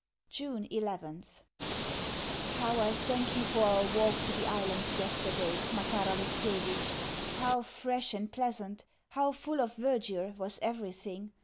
June 11th How I thank you for our walk to the Islands yesterday, Makar Alexievitch! How fresh and pleasant, how full of verdure, was everything!